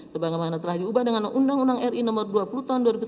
sebagaimana telah diubah dengan undang undang ri no dua puluh tahun dua ribu sebelas